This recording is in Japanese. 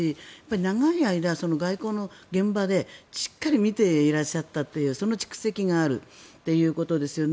長い間、外交の現場でしっかり見ていらっしゃったその蓄積があるということですよね。